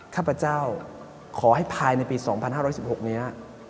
ข้าพเจ้าขอให้ภายในปี๒๕๑๖นี้